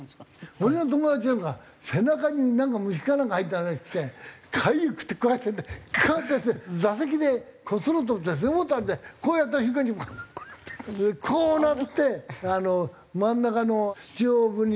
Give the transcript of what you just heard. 俺の友達なんか背中になんか虫かなんか入ったらしくてかゆくてこうやってこうやってやってて座席でこすろうと思って背もたれでこうやった瞬間にこうなって真ん中の中央分離帯？